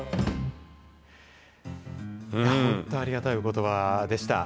本当、ありがたいおことばでした。